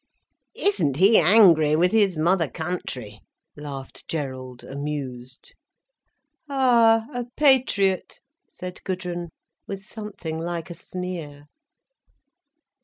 "Isn't he angry with his mother country!" laughed Gerald, amused. "Ah, a patriot!" said Gudrun, with something like a sneer.